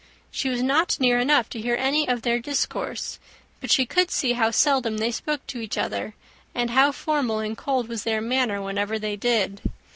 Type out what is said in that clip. She was not near enough to hear any of their discourse; but she could see how seldom they spoke to each other, and how formal and cold was their manner whenever they did.